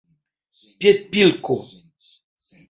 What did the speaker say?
piedpilko